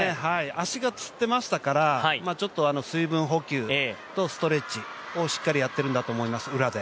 足がつってましたから、ちょっと水分補給とストレッチをしっかりやっているんだと思います、裏で。